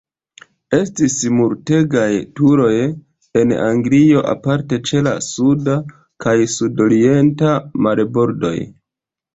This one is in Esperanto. Estis multegaj turoj en Anglio, aparte ĉe la suda kaj sudorienta marbordoj.